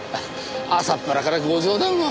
朝っぱらからご冗談を。